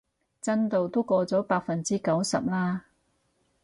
進度都過咗百分之九十啦